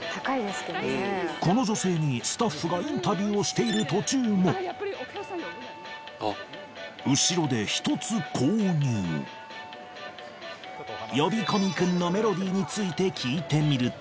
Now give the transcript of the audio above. この女性にスタッフがインタビューをしている途中も後ろで１つ購入呼び込み君の聞いてみると